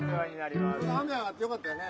雨上がってよかったね。